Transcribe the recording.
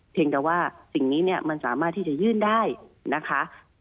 เพียงแต่ว่าสิ่งนี้เนี่ยมันสามารถที่จะยื่นได้นะคะ